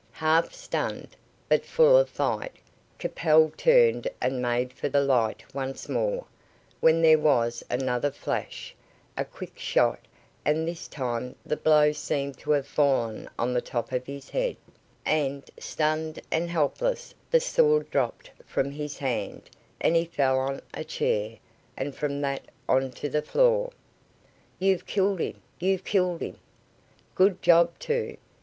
Half stunned, but full of fight, Capel turned and made for the light once more, when there was another flash, a quick shot, and this time the blow seemed to have fallen on the top of his head, and, stunned and helpless, the sword dropped from his hand, and he fell on a chair, and from that on to the floor. "You've killed him! You've killed him!" "Good job, too.